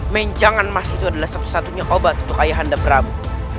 menjangan emas itu adalah satu satunya obat untuk ayah anda prabu